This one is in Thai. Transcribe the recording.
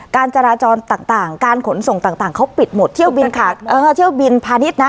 การจราจรต่างการขนส่งต่างเขาปิดหมดเที่ยวบินพาณิชย์นะ